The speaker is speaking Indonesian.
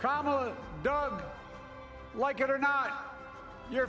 kamala doug suka atau tidak kamu adalah keluarga